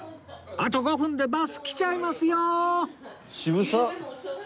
あと５分でバス来ちゃいますよー！